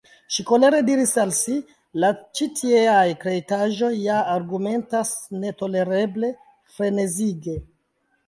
Ŝi kolere diris al si: "La ĉitieaj kreitaĵoj ja argumentas netolereble, frenezige."